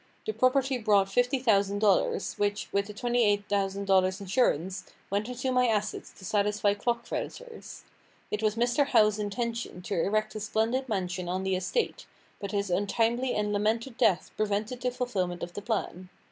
The property brought $50,000, which, with the $28,000 insurance, went into my assets to satisfy clock creditors. It was Mr. Howe's intention to erect a splendid mansion on the estate, but his untimely and lamented death prevented the fulfilment of the plan.